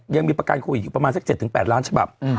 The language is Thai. ยังมีประกันโควิดอยู่ประมาณสัก๗๘ล้านฉบับ